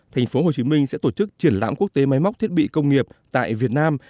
tp hcm sẽ tổ chức triển lãm quốc tế máy móc thiết bị công nghiệp tại việt nam